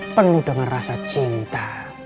penuh dengan rasa cinta